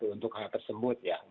untuk hal tersebut ya